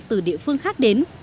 từ địa phương khác đến